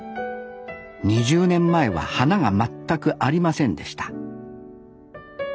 ２０年前は花が全くありませんでした